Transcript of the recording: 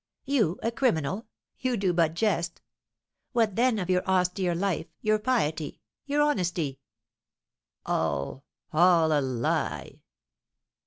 "You a criminal? You do but jest. What, then, of your austere life, your piety, your honesty?" "All all a lie!"